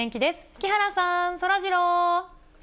木原さん、そらジロー。